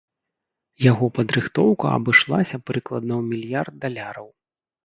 Яго падрыхтоўка абышлася прыкладна ў мільярд даляраў.